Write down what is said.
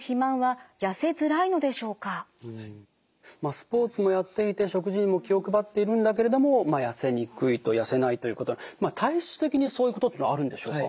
スポーツもやっていて食事にも気を配っているんだけれども痩せにくいと痩せないということ体質的にそういうことというのはあるんでしょうか？